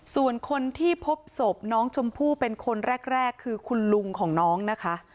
ส่วนคนที่พบศพน้องชมพู่เป็นคนแรกคือคุณลุงของน้องนะคะ